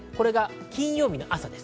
金曜日の朝です。